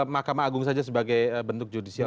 mahkamah agung saja sebagai bentuk judisial